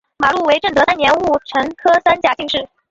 马录为正德三年戊辰科三甲进士。